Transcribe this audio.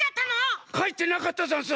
かいてなかったざんす。